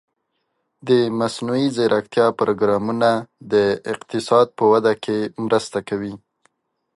د مصنوعي ځیرکتیا پروګرامونه د اقتصاد په وده کې مرسته کوي.